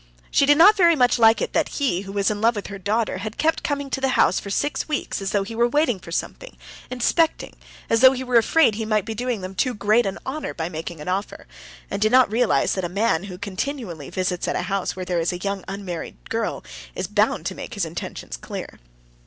She did not very much like it that he, who was in love with her daughter, had kept coming to the house for six weeks, as though he were waiting for something, inspecting, as though he were afraid he might be doing them too great an honor by making an offer, and did not realize that a man, who continually visits at a house where there is a young unmarried girl, is bound to make his intentions clear.